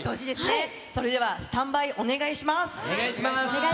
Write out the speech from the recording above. それではスタンバイお願いしお願いします。